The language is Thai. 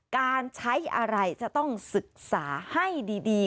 การใช้อะไรจะต้องศึกษาให้ดี